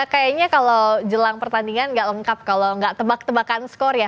kayaknya kalau jelang pertandingan nggak lengkap kalau nggak tebak tebakan skor ya